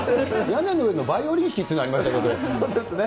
屋根の上のバイオリン弾きというのはありましたけどね。